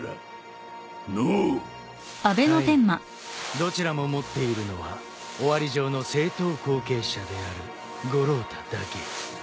どちらも持っているのはオワリ城の正統後継者である五郎太だけ。